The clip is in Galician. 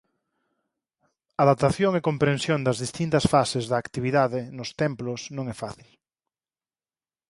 A datación e comprensión das distintas fases da actividade nos templos non é fácil.